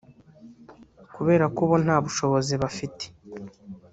kubera ko bo nta bushobozi bafite